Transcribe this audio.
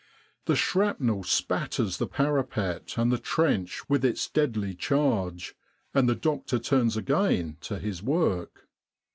The shrapnel spatters the parapet and the trench with its deadly charge, and the doctor turns again to his work.